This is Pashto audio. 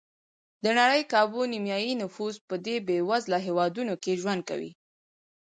د نړۍ کابو نیمایي نفوس په دې بېوزله هېوادونو کې ژوند کوي.